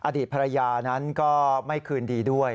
อดีตภรรยานั้นก็ไม่คืนดีด้วย